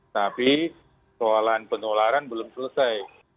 tapi soalan penularan belum selesai